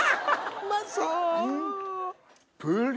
うまそう！